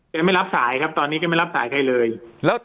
ไม่รับสายครับตอนนี้แกไม่รับสายใครเลย